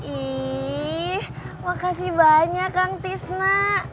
ih makasih banyak kang tis nak